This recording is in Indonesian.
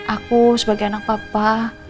aku sebagai anak papa